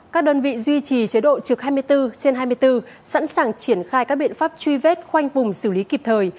các đơn vị duy trì chế độ trực hai mươi bốn trên hai mươi bốn sẵn sàng triển khai các biện pháp truy vết khoanh vùng xử lý kịp thời